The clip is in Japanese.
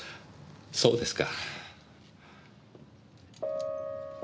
そうですか。